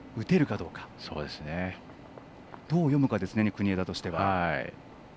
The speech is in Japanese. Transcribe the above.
どう読むかですね国枝としては。